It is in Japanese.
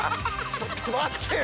ちょっと待ってよ。